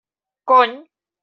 Cony!